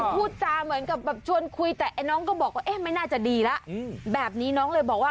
พูดจาเหมือนกับแบบชวนคุยแต่ไอ้น้องก็บอกว่าเอ๊ะไม่น่าจะดีแล้วแบบนี้น้องเลยบอกว่า